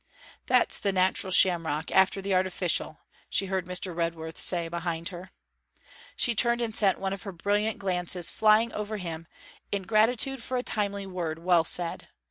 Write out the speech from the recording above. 'That's the natural shamrock, after the artificial!' she heard Mr. Redworth say, behind her. She turned and sent one of her brilliant glances flying over him, in gratitude for a timely word well said.